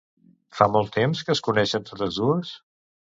Fa molt temps que es coneixen totes dues?